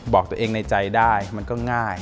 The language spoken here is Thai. บอกตัวเองในใจได้มันก็ง่าย